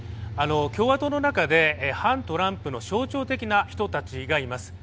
共和党の中で反トランプの象徴的だった人たちがいます。